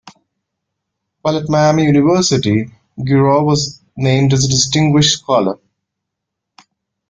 While at Miami University, Giroux was named as a Distinguished Scholar.